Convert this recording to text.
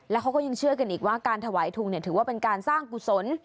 แล้วเขาก็ยังเชื่อกันอีกว่าการถวายทุงถือว่าเป็นการสร้างกุศล